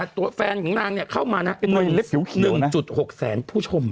ตัวแฟนของนางเข้ามาเป็น๑๖แสนผู้ชม